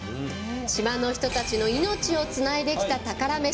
島の人たちの命をつないできた宝メシ。